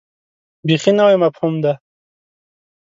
بیخي نوی مفهوم دی.